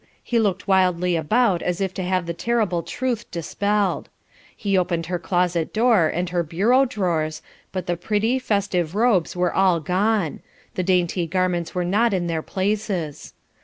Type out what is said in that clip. He looked wildly about as if to have the terrible truth dispelled. He opened her closet door and her bureau drawers, but the pretty, festive robes were all gone; the dainty garments were not in their places.